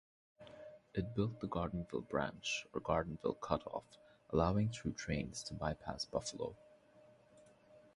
It built the Gardenville Branch or Gardenville Cutoff, allowing through trains to bypass Buffalo.